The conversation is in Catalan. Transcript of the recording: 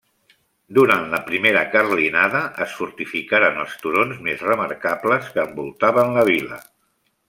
Durant la primera carlinada es fortificaren els turons més remarcables que envoltaven la vila.